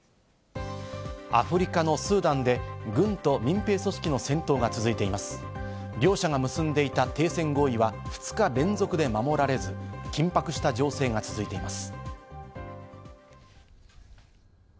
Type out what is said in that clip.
アフリカのスーダンで軍と民兵組織の戦闘が続いています。両者が結んでいた停戦合意は２日連続で守られず、緊迫した情勢が続いています。